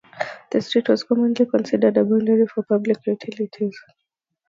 The street was commonly considered a boundary for public utilities.